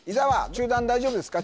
中段大丈夫ですか？